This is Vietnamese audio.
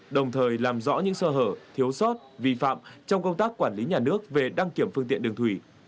đồng thời làm rõ những sơ hở thiếu sót vi phạm trong công tác quản lý nhà nước về đăng kiểm phương tiện đường thủy